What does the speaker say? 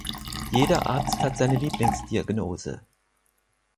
Jeder Arzt hat seine Lieblingsdiagnose.